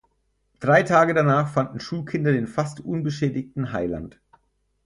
Drei Tage danach fanden Schulkinder den fast unbeschädigten Heiland.